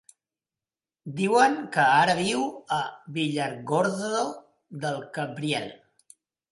Diuen que ara viu a Villargordo del Cabriel.